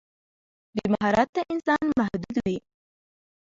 بې مهارته انسان محدود وي.